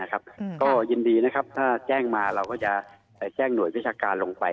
ก็ยินดีนะครับถ้าแจ้งมาเราก็จะแจ้งหน่วยวิชาการลงไป